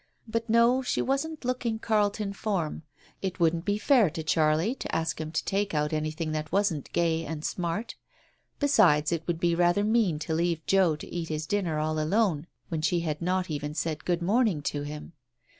... But no, she wasn't looking Carlton form ; it wouldn't be fair to Charlie to ask him to take out anything that wasn't gay and smart. Besides, it would be rather mean to leave Joe to eat his dinner all alone when she had not even said good morning to him.